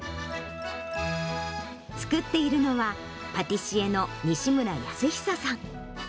作っているのは、パティシエの西村泰久さん。